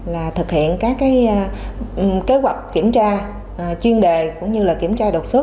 là thực hiện các kế hoạch kiểm tra chuyên đề cũng như kiểm tra độc sức